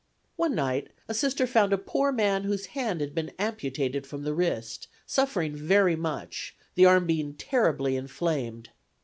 One night a Sister found a poor man whose hand had been amputated from the wrist, suffering very much, the arm being terribly inflamed.